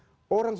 orang sudah bisa